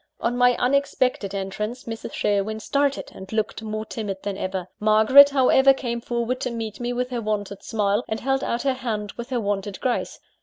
On my unexpected entrance, Mrs. Sherwin started, and looked more timid than ever. Margaret, however, came forward to meet me with her wonted smile, and held out her hand with her wonted grace.